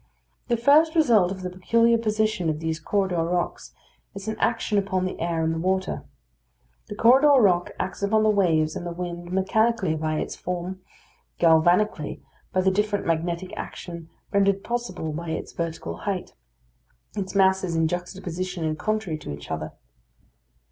The first result of the peculiar position of these corridor rocks is an action upon the air and the water. The corridor rock acts upon the waves and the wind mechanically by its form; galvanically, by the different magnetic action rendered possible by its vertical height, its masses in juxtaposition and contrary to each other.